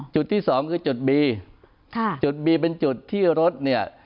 จุดที่สองคือจุดบีค่ะจุดบีเป็นจุดที่รถเนี่ย